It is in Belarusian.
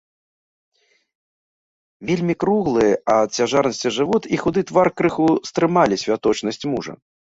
Вельмі круглы ад цяжарнасці жывот і худы твар крыху стрымалі святочнасць мужа.